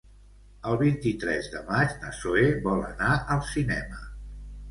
El vint-i-tres de maig na Zoè vol anar al cinema.